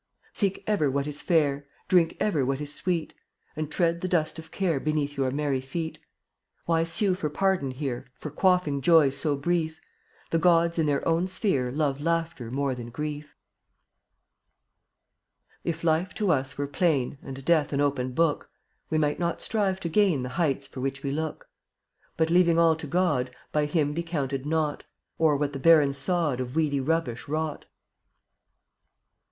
Seek ever what is fair, Drink ever what is sweet, And tread the dust of care Beneath your merry feet. Why sue for pardon here For quaffing joy so brief? The gods in their own sphere Love Laughter more than Grief. 0Utt0 &}\\IClY ^^ e to us were V^ n „ And death an open book, (JvC/ We might not strive to gain The heights for which we look, But, leaving all to God, By Him be counted nought, Or what the barren sod Of weedy rubbish wrought.